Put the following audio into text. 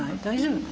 大丈夫？